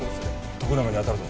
徳永に当たるぞ。